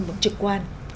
rất trực quan